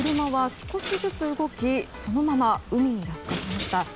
少しずつ動きそのまま海に落下しました。